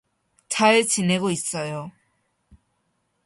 잘 지내고 있어요.